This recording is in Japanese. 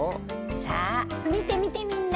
さあ見てみてみんな！